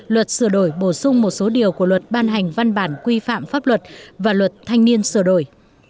luật sửa đổi bổ sung một số điều của luật ban hành văn bản quy phạm pháp luật và luật thanh niên sửa đổi